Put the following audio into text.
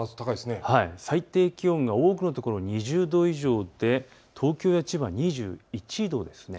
最低気温が多くの所、２０度以上で東京や千葉２１度です。